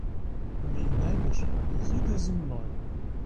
Мій небіж їде зі мною.